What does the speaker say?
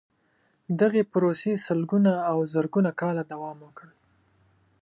دغې پروسې سلګونه او زرګونه کاله دوام وکړ.